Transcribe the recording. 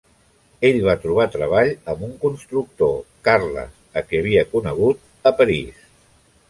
Ell va trobar treball amb un constructor, Carles, a qui havia conegut a París.